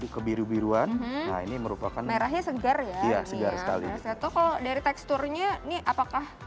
kebiru biruan nah ini merupakan merahnya segar ya segar sekali seto kalau dari teksturnya nih apakah